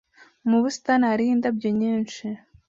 Mu busitani Hariho indabyo nyinshi.